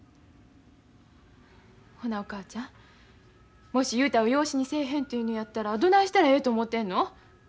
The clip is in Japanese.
ほなお母ちゃんもし雄太を養子にせえへんというのやったらどないしたらええと思てんの？